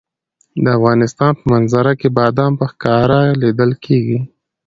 د افغانستان په منظره کې بادام په ښکاره لیدل کېږي.